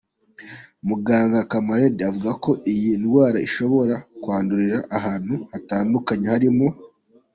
Muganga Camarade avuga ko iyi ndwara ishobora kwandurira ahantu hatandukanye harimo:.